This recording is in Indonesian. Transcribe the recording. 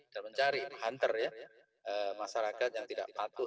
dan mencari hunter ya masyarakat yang tidak patah